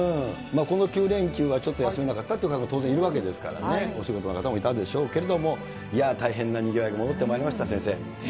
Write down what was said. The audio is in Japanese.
この９連休は、ちょっと休めなかったという方も当然いるわけですからね、お仕事の方もいたでしょうけれども、いやー、大変なにぎわいが戻ってまいりました、先生。